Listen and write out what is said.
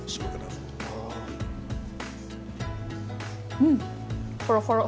うんほろほろ。